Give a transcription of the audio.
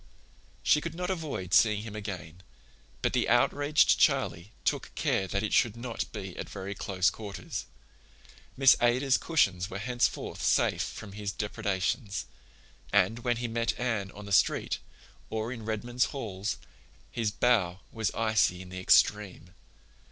She could not avoid seeing him again, but the outraged Charlie took care that it should not be at very close quarters. Miss Ada's cushions were henceforth safe from his depredations, and when he met Anne on the street, or in Redmond's halls, his bow was icy in the extreme.